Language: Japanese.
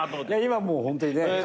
今はもうホントにね。